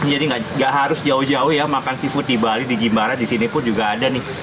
jadi nggak harus jauh jauh ya makan seafood di bali di jimbaran di sini pun juga ada nih